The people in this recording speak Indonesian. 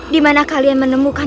dimana kalian menemukan